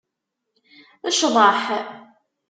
Cḍeḥ!